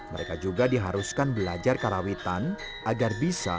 mereka juga diharuskan belajar karawitan agar bisa